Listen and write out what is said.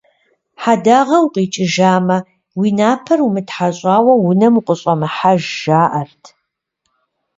Хьэдагъэ укъикӏыжамэ, уи напэр умытхьэщӏауэ унэм ущӏэмыхьэж жаӏэрт.